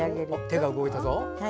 手が動いたぞ。